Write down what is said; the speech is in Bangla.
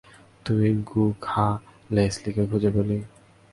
তুই গু খা লেসলিকে খুঁজে পেলি?